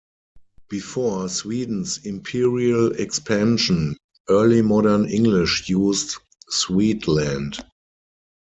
Before Sweden's imperial expansion, Early Modern English used "Swedeland".